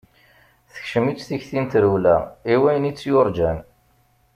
Tekcem-itt tikti n trewla i wayen i tt-yurǧan.